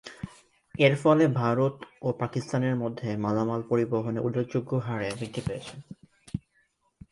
এর ফলে ভারত ও পাকিস্তানের মধ্যে মালামাল পরিবহণ উল্ল্যেখযোগ্য হারে বৃদ্ধি পেয়েছে।